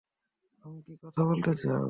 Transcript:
তুমি কী কথা বলতে চাও?